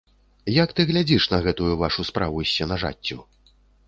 Як ты глядзіш на гэтую вашу справу з сенажаццю?